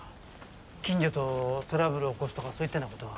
近所とトラブルを起こすとかそういったような事は？